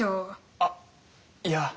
あっいや。